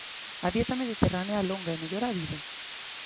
A dieta mediterránea alonga e mellora a vida.